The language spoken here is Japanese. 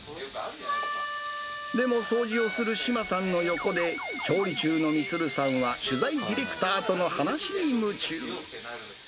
でも掃除をする志麻さんの横で、調理中の充さんは取材ディレクターとの話に夢中。